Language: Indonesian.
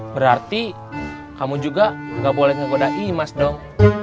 berarti kamu juga nggak boleh ngegodai mas dong